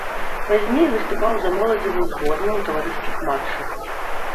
Пазней выступаў за моладзевую зборную ў таварыскіх матчах.